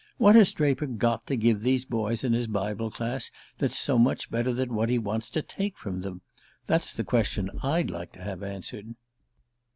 What has Draper got to give these boys in his Bible Class, that's so much better than what he wants to take from them? That's the question I'd like to have answered?"